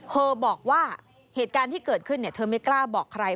เธอบอกว่าเหตุการณ์ที่เกิดขึ้นเธอไม่กล้าบอกใคร